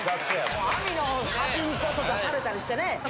網の端にこうとかされたりしてね。